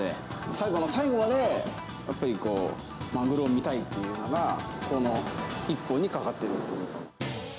最後の最後まで、やっぱりこう、マグロを見たいっていうのが、この１本にかかってるっていうか。